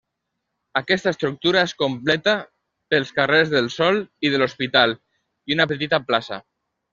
Aquesta estructura es completa pels carrers del Sol i de l'Hospital, i una petita plaça.